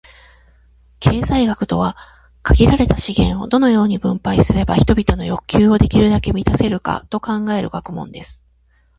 経済学とは、「限られた資源を、どのように分配すれば人々の欲求をできるだけ満たせるか」を考える学問です。